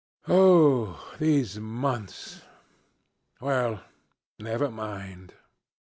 "Oh, these months! Well, never mind.